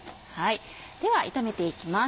では炒めていきます。